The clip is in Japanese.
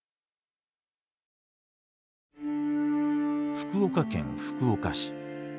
福岡県福岡市。